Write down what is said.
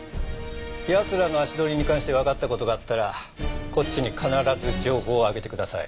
奴らの足取りに関してわかった事があったらこっちに必ず情報を上げてください。